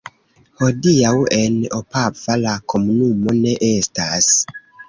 Hodiaŭ en Opava la komunumo ne estas.